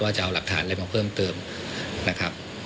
จะเอาหลักฐานอะไรมาเพิ่มเติมนะครับ